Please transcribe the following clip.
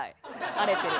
荒れてる。